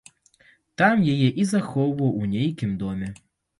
Там яе і захоўваў у нейкім доме.